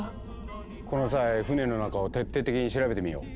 この際船の中を徹底的に調べてみよう。